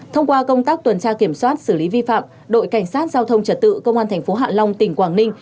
thông qua công tác tuần tra kiểm soát xử lý vi phạm đội cảnh sát giao thông trật tự công an tp hạ long tỉnh quảng ninh